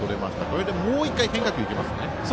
これでもう１回変化球いけますね。